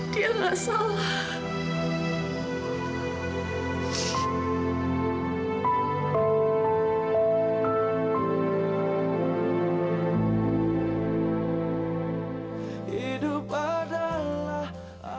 dia gak salah